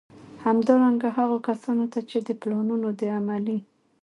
همدارنګه، هغو کسانو ته چي د پلانونو د عملي